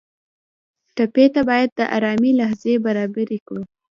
ټپي ته باید د ارامۍ لحظې برابرې کړو.